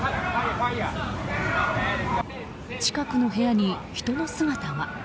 近くの部屋に人の姿が。